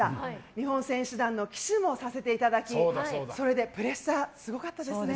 日本選手団の旗手もさせていただきプレッシャーがすごかったです。